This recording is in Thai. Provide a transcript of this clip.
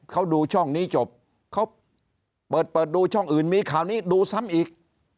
เขาดูช่องนี้จบเขาเปิดเปิดดูช่องอื่นมีข่าวนี้ดูซ้ำอีก